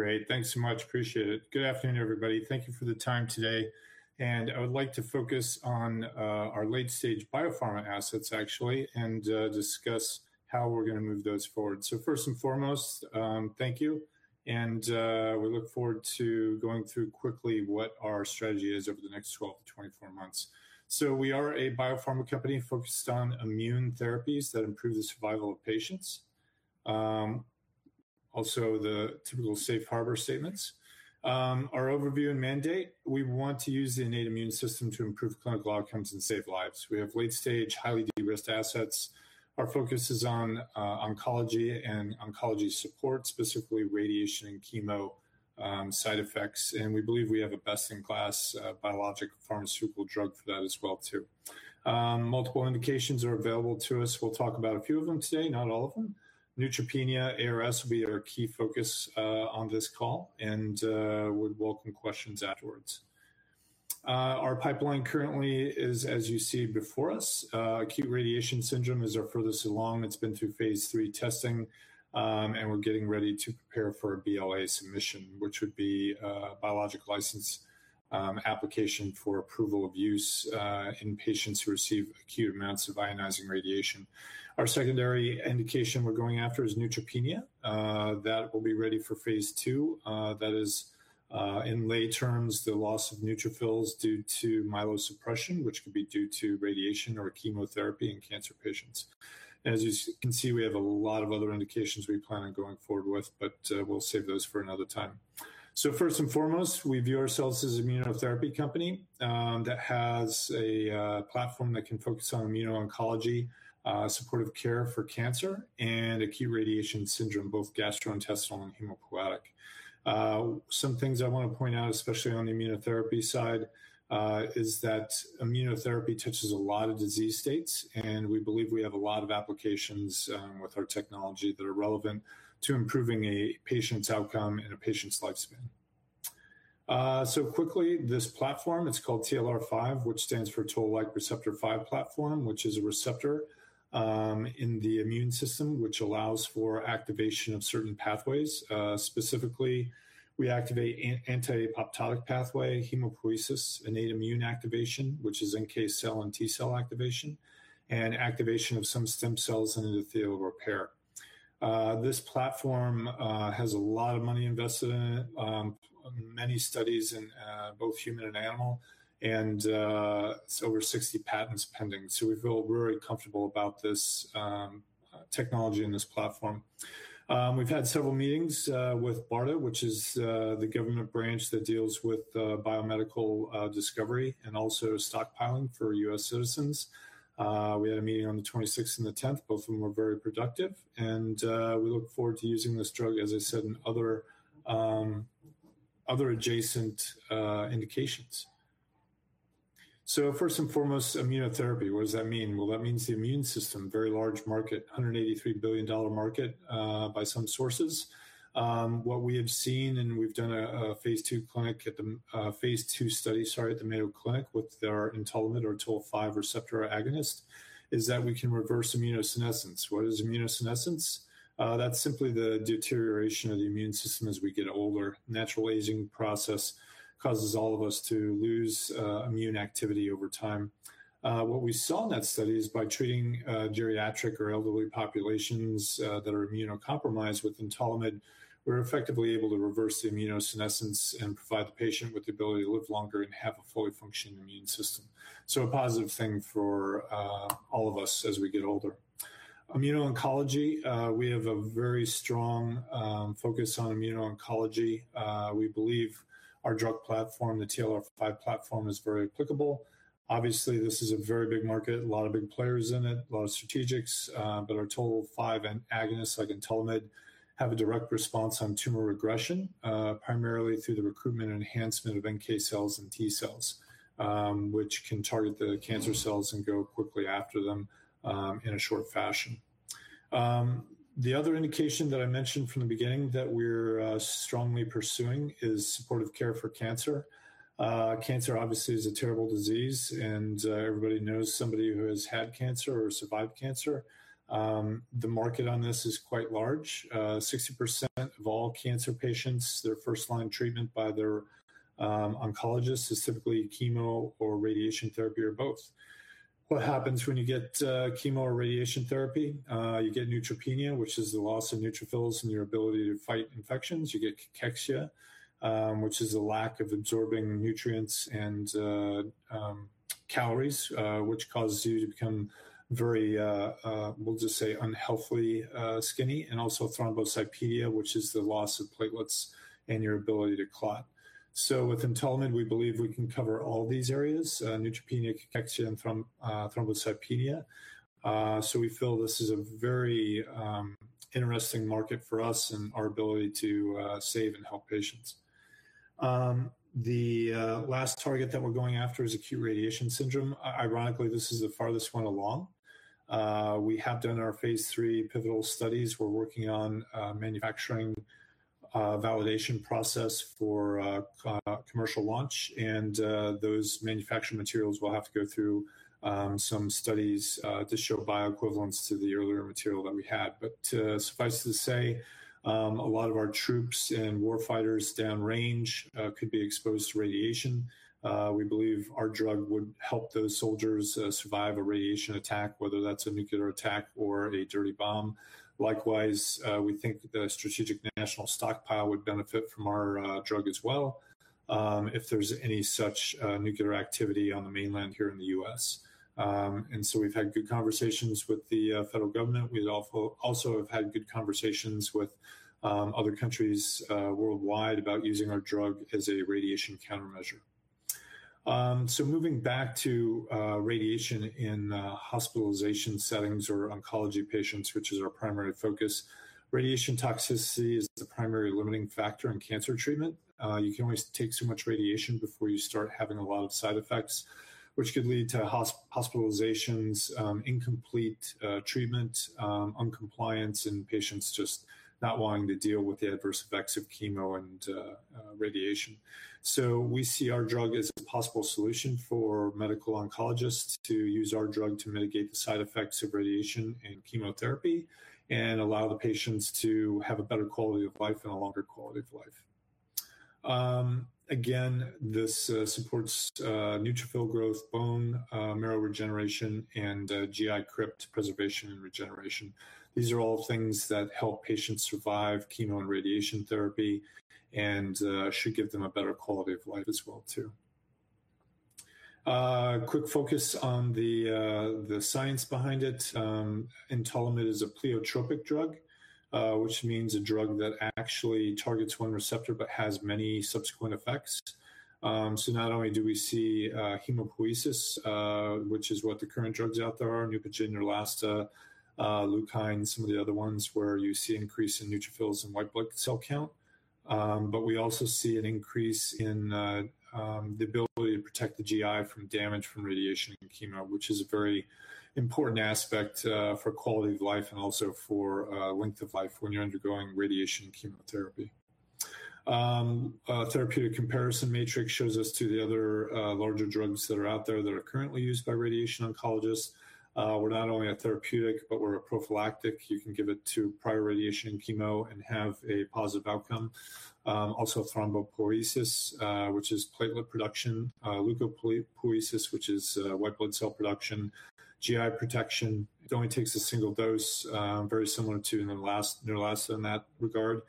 Great. Thanks so much. Appreciate it. Good afternoon, everybody. Thank you for the time today. I would like to focus on our late-stage biopharma assets actually, and discuss how we're gonna move those forward. First and foremost, thank you, and we look forward to going through quickly what our strategy is over the next 12-24 months. We are a biopharma company focused on immune therapies that improve the survival of patients. Also the typical safe harbor statements. Our overview and mandate, we want to use the innate immune system to improve clinical outcomes and save lives. We have late-stage, highly de-risked assets. Our focus is on oncology and oncology support, specifically radiation and chemo side effects, and we believe we have a best-in-class biologic pharmaceutical drug for that as well too. Multiple indications are available to us. We'll talk about a few of them today, not all of them. Neutropenia, ARS will be our key focus on this call and we'd welcome questions afterwards. Our pipeline currently is, as you see before us, Acute Radiation Syndrome is our furthest along. It's been through phase III testing and we're getting ready to prepare for a BLA submission, which would be biologics license application for approval of use in patients who receive acute amounts of ionizing radiation. Our secondary indication we're going after is neutropenia. That will be ready for phase II. That is, in lay terms, the loss of neutrophils due to myelosuppression, which could be due to radiation or chemotherapy in cancer patients. As you can see, we have a lot of other indications we plan on going forward with, but we'll save those for another time. First and foremost, we view ourselves as an immunotherapy company that has a platform that can focus on immuno-oncology, supportive care for cancer, and acute radiation syndrome, both gastrointestinal and hematopoietic. Some things I wanna point out, especially on the immunotherapy side, is that immunotherapy touches a lot of disease states, and we believe we have a lot of applications with our technology that are relevant to improving a patient's outcome and a patient's lifespan. Quickly, this platform, it's called TLR5, which stands for Toll-like receptor 5 platform, which is a receptor in the immune system, which allows for activation of certain pathways. Specifically, we activate anti-apoptotic pathway, hematopoiesis, innate immune activation, which is NK cell and T cell activation, and activation of some stem cells and endothelial repair. This platform has a lot of money invested in it, many studies in both human and animal, and it's over 60 patents pending. We feel very comfortable about this technology and this platform. We've had several meetings with BARDA, which is the government branch that deals with biomedical discovery and also stockpiling for U.S. citizens. We had a meeting on the 26th and the 10th. Both of them were very productive and we look forward to using this drug, as I said, in other adjacent indications. First and foremost, immunotherapy. What does that mean? Well, that means the immune system, very large market, $183 billion market, by some sources. What we have seen, we've done a phase II study at the Mayo Clinic with our Entolimod or Toll 5 receptor agonist, is that we can reverse immunosenescence. What is immunosenescence? That's simply the deterioration of the immune system as we get older. Natural aging process causes all of us to lose immune activity over time. What we saw in that study is by treating geriatric or elderly populations that are immunocompromised with Entolimod, we're effectively able to reverse the immunosenescence and provide the patient with the ability to live longer and have a fully functioning immune system. A positive thing for all of us as we get older. Immuno-oncology, we have a very strong focus on immuno-oncology. We believe our drug platform, the TLR5 platform, is very applicable. Obviously, this is a very big market, a lot of big players in it, a lot of strategics, but our TLR5 agonists like Entolimod have a direct response on tumor regression, primarily through the recruitment and enhancement of NK cells and T cells, which can target the cancer cells and go quickly after them, in a short fashion. The other indication that I mentioned from the beginning that we're strongly pursuing is supportive care for cancer. Cancer obviously is a terrible disease, and everybody knows somebody who has had cancer or survived cancer. The market on this is quite large. 60% of all cancer patients, their first-line treatment by their oncologist is typically chemo or radiation therapy or both. What happens when you get chemo or radiation therapy? You get neutropenia, which is the loss of neutrophils and your ability to fight infections. You get cachexia, which is a lack of absorbing nutrients and calories, which causes you to become very, we'll just say unhealthily skinny, and also thrombocytopenia, which is the loss of platelets and your ability to clot. With Entolimod, we believe we can cover all these areas, neutropenia, cachexia, and thrombocytopenia. We feel this is a very interesting market for us and our ability to save and help patients. The last target that we're going after is Acute Radiation Syndrome. Ironically, this is the farthest one along. We have done our phase III pivotal studies. We're working on manufacturing validation process for commercial launch and those manufacturing materials will have to go through some studies to show bioequivalence to the earlier material that we had. Suffice it to say, a lot of our troops and warfighters down range could be exposed to radiation. We believe our drug would help those soldiers survive a radiation attack, whether that's a nuclear attack or a dirty bomb. Likewise, we think the Strategic National Stockpile would benefit from our drug as well, if there's any such nuclear activity on the mainland here in the U.S. We've had good conversations with the federal government. We've also had good conversations with other countries worldwide about using our drug as a radiation countermeasure. Moving back to radiation in hospitalization settings or oncology patients, which is our primary focus. Radiation toxicity is the primary limiting factor in cancer treatment. You can only take so much radiation before you start having a lot of side effects, which could lead to hospitalizations, incomplete treatment, noncompliance, and patients just not wanting to deal with the adverse effects of chemo and radiation. We see our drug as a possible solution for medical oncologists to use our drug to mitigate the side effects of radiation and chemotherapy and allow the patients to have a better quality of life and a longer quality of life. Again, this supports neutrophil growth, bone marrow regeneration, and GI crypt preservation and regeneration. These are all things that help patients survive chemo and radiation therapy and should give them a better quality of life as well, too. Quick focus on the science behind it. Entolimod is a pleiotropic drug, which means a drug that actually targets one receptor but has many subsequent effects. Not only do we see hematopoiesis, which is what the current drugs out there are, NEUPOGEN, Neulasta, LEUKINE, some of the other ones where you see increase in neutrophils and white blood cell count. We also see an increase in the ability to protect the GI from damage from radiation and chemo, which is a very important aspect for quality of life and also for length of life when you're undergoing radiation and chemotherapy. The therapeutic comparison matrix shows us to the other larger drugs that are out there that are currently used by radiation oncologists. We're not only a therapeutic, but we're a prophylactic. You can give it prior to radiation and chemo and have a positive outcome. Also thrombopoiesis, which is platelet production, leukopoiesis, which is white blood cell production, GI protection. It only takes a single dose, very similar to Neulasta in that regard.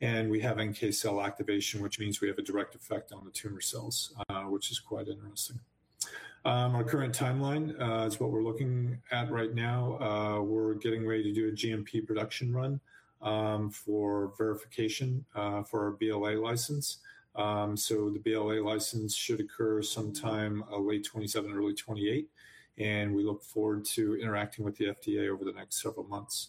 We have NK cell activation, which means we have a direct effect on the tumor cells, which is quite interesting. Our current timeline is what we're looking at right now. We're getting ready to do a GMP production run for verification for our BLA license. The BLA license should occur sometime late 2027, early 2028, and we look forward to interacting with the FDA over the next several months.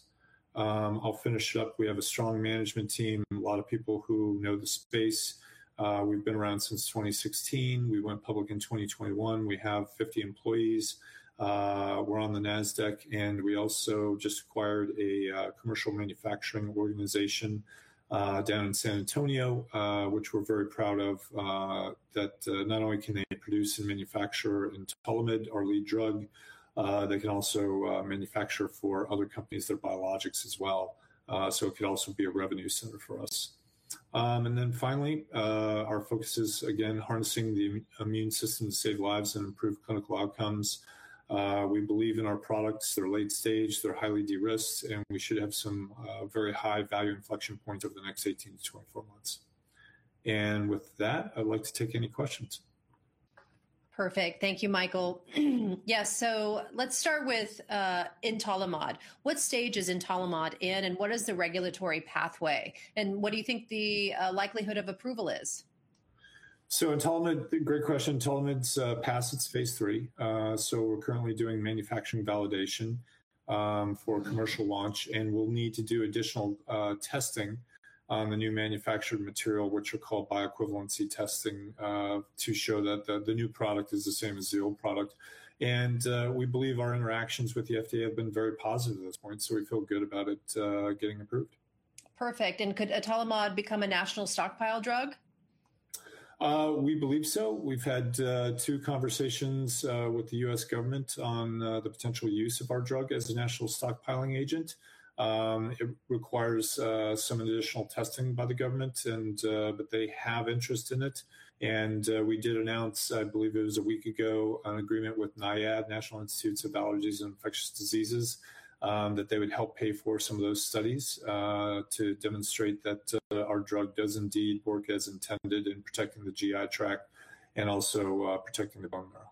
I'll finish up. We have a strong management team and a lot of people who know the space. We've been around since 2016. We went public in 2021. We have 50 employees. We're on the Nasdaq, and we also just acquired a commercial manufacturing organization down in San Antonio, which we're very proud of. That not only can they produce and manufacture Entolimod, our lead drug, they can also manufacture for other companies, their biologics as well. It could also be a revenue center for us. Then finally, our focus is again harnessing the immune system to save lives and improve clinical outcomes. We believe in our products. They're late stage, they're highly de-risked, and we should have some very high value inflection points over the next 18-24 months. With that, I'd like to take any questions. Perfect. Thank you, Michael. Yeah. So let's start with Entolimod. What stage is Entolimod in, and what is the regulatory pathway? What do you think the likelihood of approval is? Entolimod, great question. Entolimod's passed its phase III. We're currently doing manufacturing validation for commercial launch, and we'll need to do additional testing on the new manufactured material, which are called bioequivalence testing, to show that the new product is the same as the old product. We believe our interactions with the FDA have been very positive at this point, so we feel good about it getting approved. Perfect. Could Entolimod become a National Stockpile drug? We believe so. We've had two conversations with the U.S. government on the potential use of our drug as a national stockpiling agent. It requires some additional testing by the government, but they have interest in it. We did announce, I believe it was a week ago, an agreement with NIAID, National Institute of Allergy and Infectious Diseases, that they would help pay for some of those studies to demonstrate that our drug does indeed work as intended in protecting the GI tract and also protecting the bone marrow.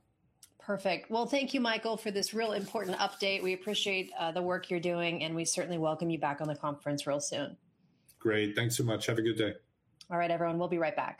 Perfect. Well, thank you, Michael, for this real important update. We appreciate the work you're doing, and we certainly welcome you back on the conference real soon. Great. Thanks so much. Have a good day. All right, everyone, we'll be right back.